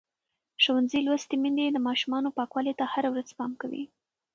ښوونځې لوستې میندې د ماشومانو پاکوالي ته هره ورځ پام کوي.